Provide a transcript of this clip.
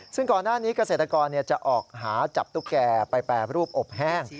ซึ่งก่อนหน้านี้เกษตรกรจะออกหาจับตุ๊กแก่ไปแปรรูปอบแห้ง